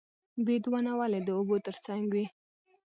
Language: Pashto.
بید ونه ولې د اوبو تر څنګ وي؟